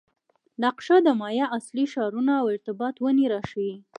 نقشه د مایا اصلي ښارونه او ارتباط ونې راښيي